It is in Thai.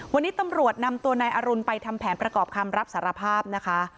วันนี้ตำรวจนำตัวนายอรุณไปทำแผนประกอบคำรับสารภาพนะคะ